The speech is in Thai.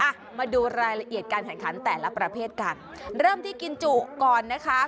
มาดูรายละเอียดการแข่งขันแต่ละประเภทกันเริ่มที่กินจุก่อนนะคะ